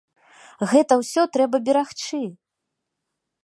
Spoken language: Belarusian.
Гэта ўсё трэба берагчы!